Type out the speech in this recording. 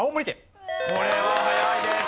これは早いです。